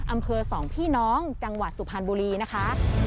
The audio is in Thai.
อำเภอสองพี่น้องจังหวัดสุพรรณบุรีนะคะ